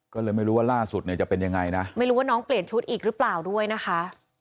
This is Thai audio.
ก็เลยไม่รู้ว่าล่าสุดเนี่ยจะเป็นยังไงนะไม่รู้ว่าน้องเปลี่ยนชุดอีกหรือเปล่าด้วยนะคะ